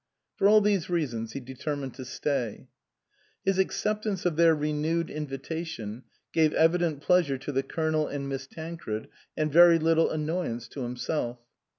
For all these reasons he determined to stay. His acceptance of their renewed invitation gave evident pleasure to the Colonel and Miss Tancred and very little annoyance to himself.